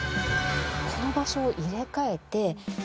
この場所を入れ替えて。